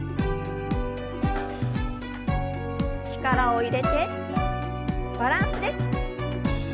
力を入れてバランスです。